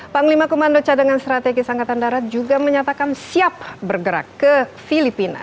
panglima komando cadangan strategis angkatan darat juga menyatakan siap bergerak ke filipina